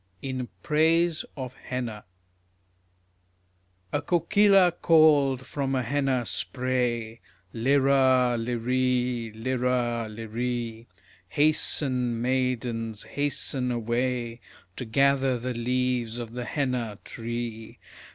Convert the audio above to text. IN PRAISE OF HENNA A kokila called from a henna spray: LIRA! LIREE! LIRA! LIREE! Hasten, maidens, hasten away To gather the leaves of the henna tree.